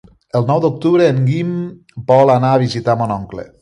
El nou d'octubre en Guim vol anar a visitar mon oncle.